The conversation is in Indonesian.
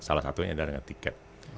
salah satunya adalah tiket